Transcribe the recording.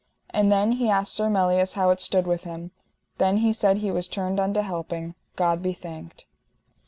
And then he asked Sir Melias how it stood with him. Then he said he was turned unto helping, God be thanked.